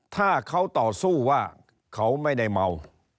ถ้าเขาต่อสู้ว่าเขาไม่ได้เมา